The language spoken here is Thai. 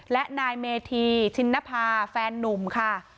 และนายเมธีชินนภาแฟนนุ่มค่ะ